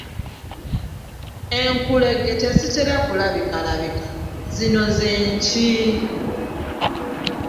Enkulugge tezitera kulabikalabika, zino ze nki?